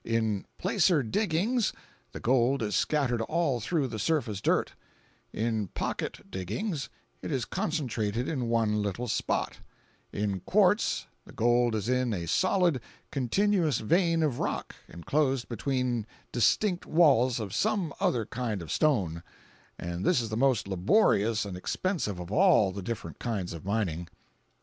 In "placer diggings" the gold is scattered all through the surface dirt; in "pocket" diggings it is concentrated in one little spot; in "quartz" the gold is in a solid, continuous vein of rock, enclosed between distinct walls of some other kind of stone—and this is the most laborious and expensive of all the different kinds of mining.